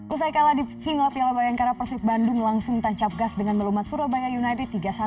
usai kalah di final piala bayangkara persib bandung langsung tancap gas dengan melumat surabaya united tiga satu